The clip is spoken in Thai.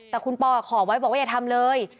แต่คุณปอขอไว้บอกว่าอย่าทำเลย